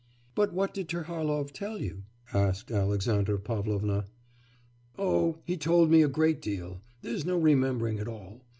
'But what did Terlahov tell you?' asked Alexandra Pavlovna. 'Oh, he told me a great deal; there's no remembering it all.